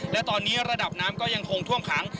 และตอนนี้ระดับน้ำก็ยังคงท่วมขัง